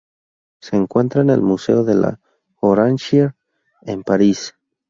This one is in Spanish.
Se encuentra en el Museo de la Orangerie en París.